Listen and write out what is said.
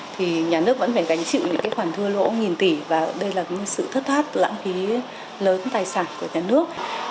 thì nhà nước vẫn phải gánh chịu những cái khoản thua lỗ nghìn tỷ và đây là sự thất thoát lãng phí lớn tài sản của nhà nước